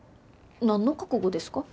何の覚悟ですか？